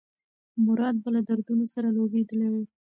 مراد به له دردونو سره لوبېدلی و.